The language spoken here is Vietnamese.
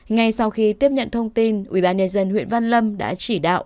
ngay sau khi tiếp nhận thông tin ủy ban nhân dân huyện văn lâm đã chỉ đạo